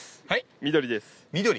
緑です。